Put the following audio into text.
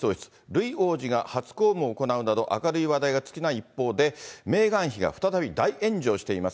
ルイ王子が初公務を行うなど、明るい話題が尽きない一方で、メーガン妃が再び大炎上しています。